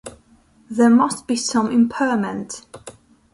There must be some impairment.